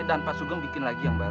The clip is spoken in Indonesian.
dan pak sugong bikin lagi yang baru